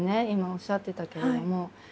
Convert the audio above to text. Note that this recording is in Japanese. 今おっしゃってたけども。